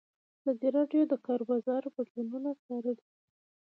ازادي راډیو د د کار بازار بدلونونه څارلي.